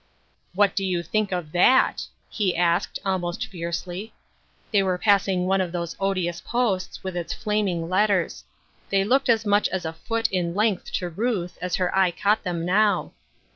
" What do you think of that ?" he asked, almost fiercely. They were passing one of those odious posts, with its flaming letters. They looked as much as a foot in length to Ruth as her eye caught them now.